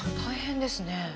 大変ですね。